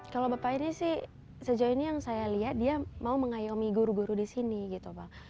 kalau bapak ini sih sejauh ini yang saya lihat dia mau mengayomi guru guru di sini gitu bang